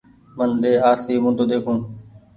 من ۮي آرسي موُڍو ۮيکون